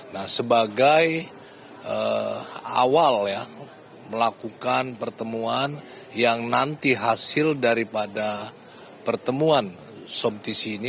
nah sebagai awal ya melakukan pertemuan yang nanti hasil daripada pertemuan somtc ini